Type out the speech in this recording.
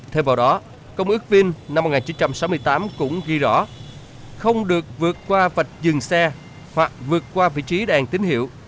thêm vào đó công ước vin năm một nghìn chín trăm sáu mươi tám cũng ghi rõ không được vượt qua vạch dừng xe hoặc vượt qua vị trí đèn tín hiệu